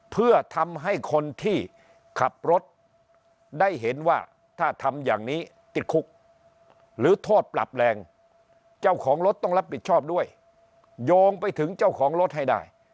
เพื่อทำให้คนที่ขับรถได้เห็นว่าถ้าทำอย่างนี้ติดคุกหรือโทษปรับแรงเจ้าของรถต้องรับผิดชอบด้วยโยงไปถึงเจ้าของรถให้ได้